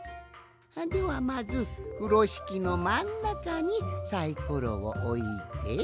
ではまずふろしきのまんなかにサイコロをおいて。